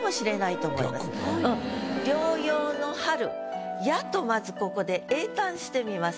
「療養の春や」とまずここで詠嘆してみます。